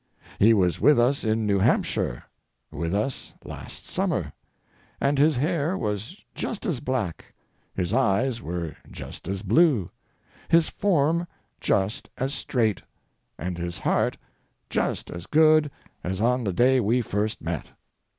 He was with us in New Hampshire, with us last summer, and his hair was just as black, his eyes were just as blue, his form just as straight, and his heart just as good as on the day we first met.